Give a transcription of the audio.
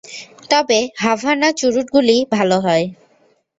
তবে হাভানা চুরুটগুলি ভালো হয়।